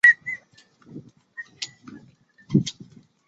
乡札中的训读字实际如何发音往往难以确知。